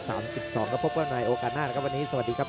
แล้วพบกันในโอกาสหน้านะครับวันนี้สวัสดีครับ